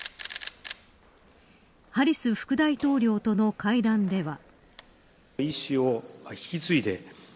ハリス副大統領との会談では。